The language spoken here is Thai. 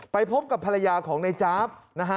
ไปพบกับภรรยาของไอน่จ๊าบ